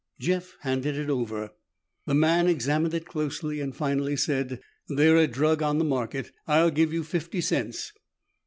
Jeff handed it over. The man examined it closely and finally said, "They're a drug on the market. I'll give you fifty cents."